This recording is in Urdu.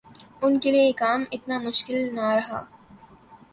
ان کیلئے یہ کام اتنا مشکل نہ رہا۔